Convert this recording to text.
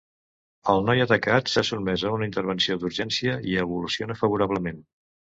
El noi atacat s’ha sotmès a una intervenció d’urgència i evoluciona favorablement.